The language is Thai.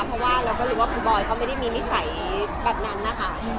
เพราะว่าเราก็รู้ว่าคุณบอยเขาไม่ได้มีนิสัยแบบนั้นนะคะ